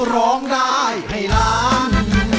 ร้องได้ให้ล้าน